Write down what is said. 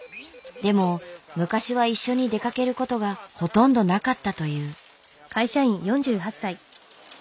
でも昔は一緒に出かけることがほとんどなかったという。